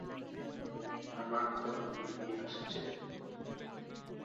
রবিন এই ছবিগুলো সম্পর্কে বলেন যে এগুলো তার চলচ্চিত্র জীবনের উন্নতিতে কোন ভূমিকা পালন করে নি।